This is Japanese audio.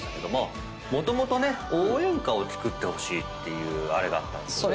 もともとね応援歌を作ってほしいっていうあれだったんですよね。